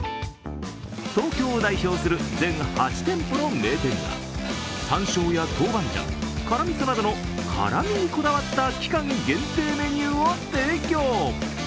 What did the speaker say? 東京を代表する全８店舗の名店が、さんしょうやトウバンジャン、辛みそなどの辛みにこだわった期間限定メニューを提供。